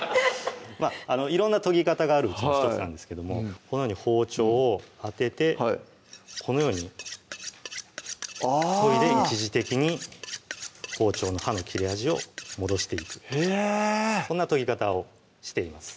色んな研ぎ方があるうちの１つなんですけどもこのように包丁を当ててこのように研いで一時的に包丁の刃の切れ味を戻していくへぇそんな研ぎ方をしています